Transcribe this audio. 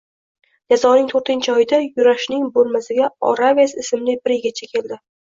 Jazoning toʻrtinchi oyida Yurashning boʻlmasiga Oraves ismli bir yigitcha keldi.